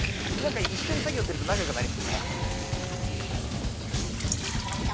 一緒に作業すると仲良くなりますね。